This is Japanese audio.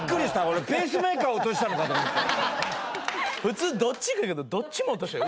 俺ペースメーカー落としたのかと思った。